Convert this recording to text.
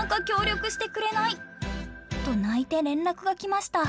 「と泣いて連絡が来ました」。